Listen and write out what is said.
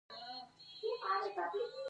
موږ څنګه ساه اخلو؟